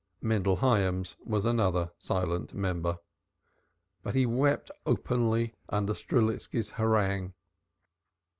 Mendel Hyams was another silent member. But he wept openly under Strelitski's harangue.